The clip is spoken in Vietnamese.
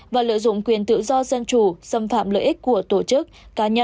và lợi dụng quyền tự do dân chủ xâm phạm lợi ích của tổ chức